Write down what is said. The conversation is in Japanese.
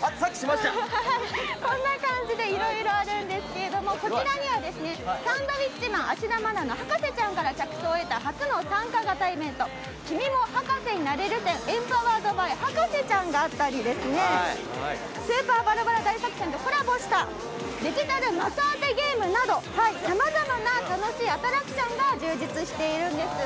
こんな感じで色々あるんですけどもこちらには「サンドウィッチマン＆芦田愛菜の博士ちゃん」から着想を得た初の参加型イベント君も博士になれる展ｅｍｐｏｗｅｒｅｄｂｙ「博士ちゃん」があったり「スーパーバラバラ大作戦」とコラボしたデジタル的当てゲームなど様々な楽しいアトラクションが充実しているんです。